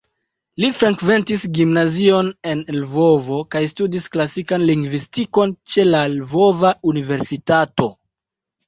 Li frekventis gimnazion en Lvovo kaj studis klasikan lingvistikon ĉe la Lvova Universitato.